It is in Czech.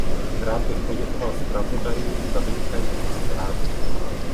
Rád bych poděkoval zpravodajům za vynikající zprávy.